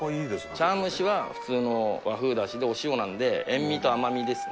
茶碗蒸しは普通の和風ダシでお塩なんで塩みと甘みですね